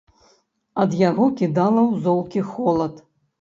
Ад яго кідала ў золкі холад.